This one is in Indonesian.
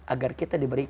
agar kita diberikan